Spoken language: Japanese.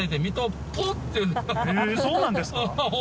へぇそうなんですか。